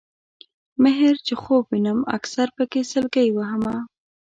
مِهر چې خوب وینم اکثر پکې سلګۍ وهمه